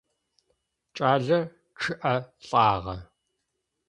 Кӏалэр чъыӏэ лӏагъэ.